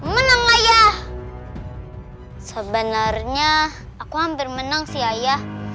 menanglah iya sebenarnya aku hampir menang si ayah